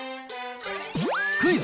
クイズ！